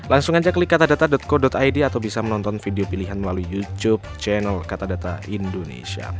langsung aja klik katadata co id atau bisa menonton video pilihan melalui youtube channel katadata indonesia